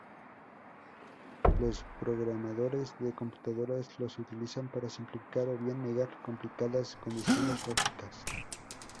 Los programadores de computadoras los utilizan para simplificar o bien negar complicadas condiciones lógicas.